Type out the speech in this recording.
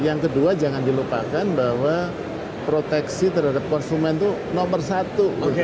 yang kedua jangan dilupakan bahwa proteksi terhadap konsumen itu nomor satu